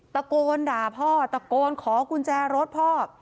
ตะโกนด่าพ่อตะโกนขอกุญแจรถพ่อ